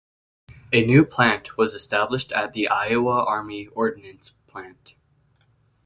A new plant was established at the Iowa Army Ordnance Plant.